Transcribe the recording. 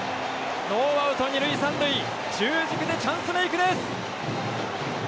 ノーアウト２塁３塁中軸でチャンスメークです！